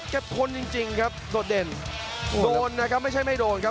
ทนจริงจริงครับโดดเด่นโดนนะครับไม่ใช่ไม่โดนครับ